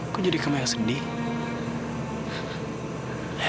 kok jadi kamu yang sedih